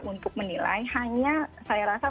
untuk menilai hanya saya rasa